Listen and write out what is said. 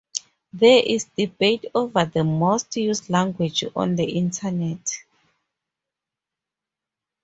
There is debate over the most-used languages on the Internet.